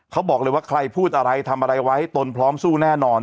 เขาบอกเลยว่าใครพูดอะไรทำอะไรไว้ตนพร้อมสู้แน่นอน